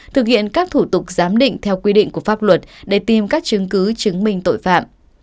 thực hiện các thủ tục giám định theo quy định của pháp luật để tìm các chứng cứ chứng minh tội phạm